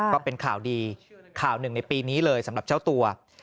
ก็เป็นข่าวดีข่าวหนึ่งในปีนี้เลยสำหรับเจ้าตัว